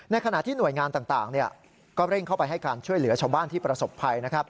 ขณะที่หน่วยงานต่างก็เร่งเข้าไปให้การช่วยเหลือชาวบ้านที่ประสบภัย